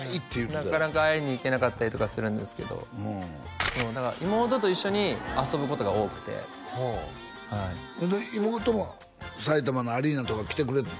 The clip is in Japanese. なかなか会いに行けなかったりとかするんですけどだから妹と一緒に遊ぶことが多くてはいで妹もさいたまのアリーナとか来てくれてたの？